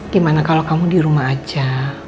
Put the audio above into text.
gimana kalau kamu di rumah aja